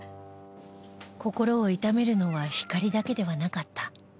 心を痛めるのはひかりだけではなかった